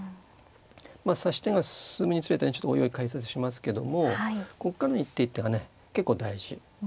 まあ指し手が進むにつれておいおい解説しますけどもここからの一手一手が結構大事。